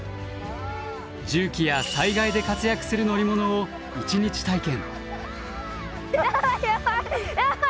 重機や災害で活躍する乗り物を１日体験。